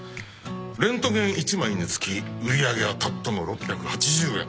レントゲン１枚につき売り上げはたったの６８０円。